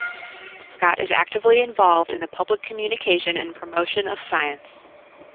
Scott is actively involved in the public communication and promotion of science.